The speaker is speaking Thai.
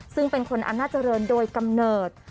ซึ่งเป็นคนอำนาจริงโดยกำเนิด